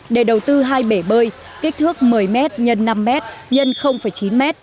để đầu tư hai bể bơi kích thước một mươi m x năm m x chín m